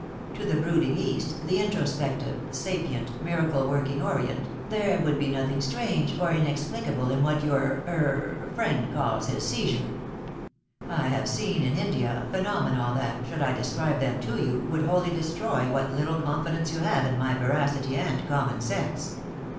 To the brooding East, the introspective, sapient, miracle working Orient, there would be nothing strange or inexplicable in what your er friend calls his 'seizure.' I have seen in India phenomena that, should I describe them to you, would wholly destroy what little confidence you have in my veracity and common sense.